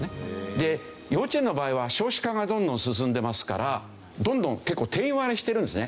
で幼稚園の場合は少子化がどんどん進んでますからどんどん結構定員割れしてるんですね。